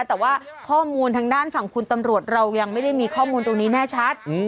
แต่ว่าข้อมูลทางด้านฝั่งคุณตำรวจเรายังไม่ได้มีข้อมูลตรงนี้แน่ชัด